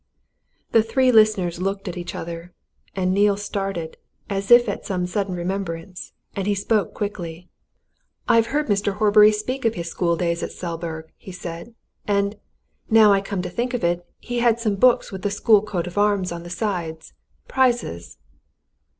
The three listeners looked at each other. And Neale started, as if at some sudden reminiscence, and he spoke quickly. "I've heard Mr. Horbury speak of his school days at Selburgh!" he said. "And now I come to think of it he had some books with the school coat of arms on the sides prizes."